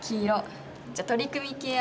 じゃあ取り組み系赤。